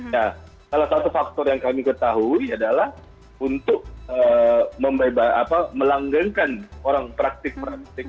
ya salah satu faktor yang kami ketahui adalah untuk melanggengkan orang praktik meranting